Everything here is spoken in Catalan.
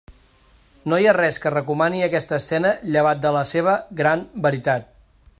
No hi ha res que recomani aquesta escena llevat de la seva gran veritat.